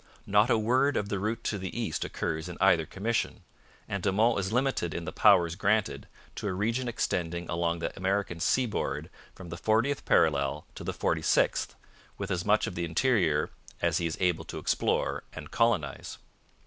Not a word of the route to the East occurs in either commission, and De Monts is limited in the powers granted to a region extending along the American seaboard from the fortieth parallel to the forty sixth, with as much of the interior 'as he is able to explore and colonize.'